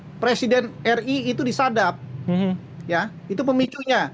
yaitu siapa presiden ri itu disadap itu pemicunya